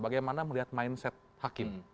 bagaimana melihat mindset hakim